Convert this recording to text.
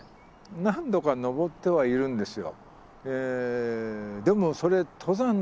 何度か登ってはいるんですよ。